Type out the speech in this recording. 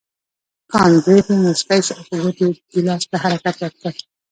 کانت ګریفي مسکی شو او په ګوتو یې ګیلاس ته حرکت ورکړ.